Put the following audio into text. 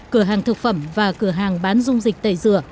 cửa hàng thực phẩm và cửa hàng